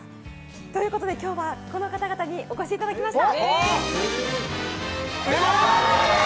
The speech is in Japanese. ということで今日はこの方々にお越しいただきました。